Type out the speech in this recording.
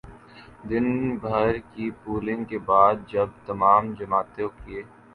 دن بھر کی پولنگ کے بعد جب تمام جماعتوں کے